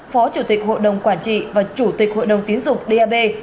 phó chủ tịch hội đồng quản trị và chủ tịch hội đồng tiến dụng dap